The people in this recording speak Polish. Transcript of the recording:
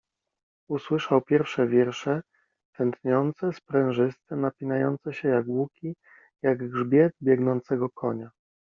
Usłyszał pierwsze wiersze, tętniące, sprężyste, napinające się jak łuki, jak grzbiet biegnącego konia.